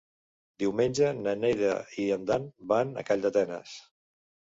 Diumenge na Neida i en Dan van a Calldetenes.